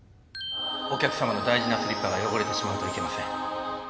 お客様の大事なスリッパが汚れてしまうといけません。